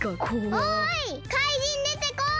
おいかいじんでてこい！